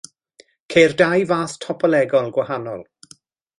Ceir dau fath topolegol gwahanol.